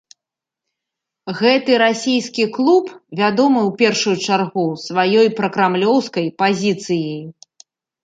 Гэты расійскі клуб вядомы ў першую чаргу сваёй пракрамлёўскай пазіцыяй.